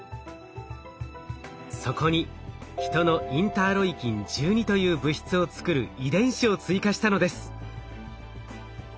そこにヒトのインターロイキン１２という物質を作る遺伝子を追加したのです。